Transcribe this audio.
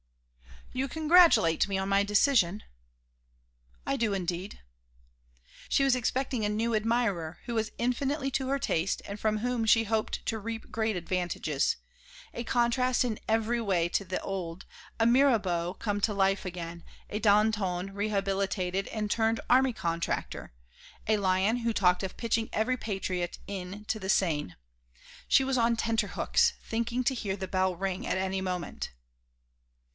"You congratulate me on my decision?" "I do indeed." She was expecting a new admirer who was infinitely to her taste and from whom she hoped to reap great advantages, a contrast in every way to the old, a Mirabeau come to life again, a Danton rehabilitated and turned army contractor, a lion who talked of pitching every patriot into the Seine. She was on tenter hooks, thinking to hear the bell ring at any moment.